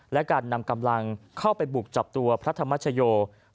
และการนำกำลังเข้าไปบุกจับตัวพระธรรมชโย